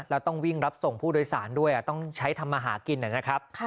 แล้วต้องวิ่งรับส่งผู้โดยสารด้วยต้องใช้ทำมาหากินนะครับ